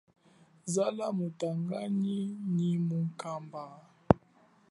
Zala mutanganyi nyi mukaba.